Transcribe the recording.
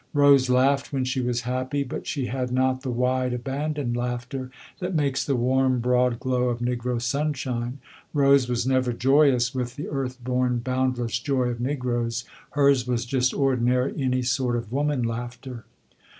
Rose laughed when she was happy but she had not the wide, abandoned laughter that makes the warm broad glow of negro sunshine. Rose was never joyous with the earth born, boundless joy of negroes. Hers was just ordinary, any sort of woman laughter.